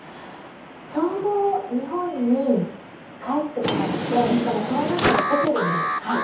ちょうど日本に帰ってこられてしかもコロナ禍でホテルに。